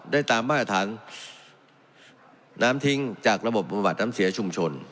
ได้ตามมาตรฐานน้ำทิ้งจากระบบบำบัดน้ำเสียชุมชน